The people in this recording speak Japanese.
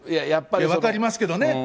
分かりますけどね。